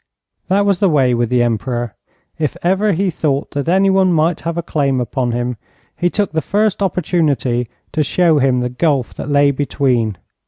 That was the way with the Emperor. If ever he thought that anyone might have a claim upon him, he took the first opportunity to show him the gulf that lay between.